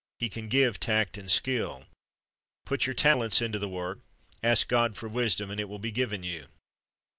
He can give tact and skill. Put your talents into the work, ask God for wisdom, and it will be given you.